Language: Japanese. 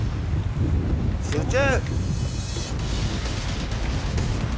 集中！